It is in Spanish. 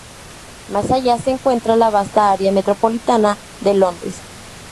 Más allá se encuentra la vasta área metropolitana de Londres.